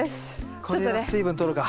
これは水分とるか。